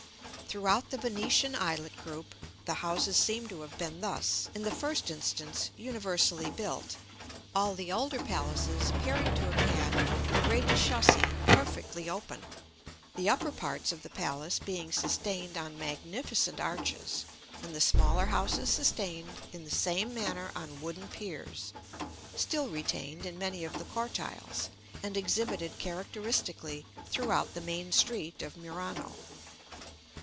Throughout the Venetian islet group, the houses seem to have been thus, in the first instance, universally built, all the older palaces appearing to have had the rez de chaussée perfectly open, the upper parts of the palace being sustained on magnificent arches, and the smaller houses sustained in the same manner on wooden piers, still retained in many of the cortiles, and exhibited characteristically throughout the main street of Murano.